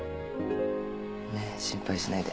ねっ心配しないで。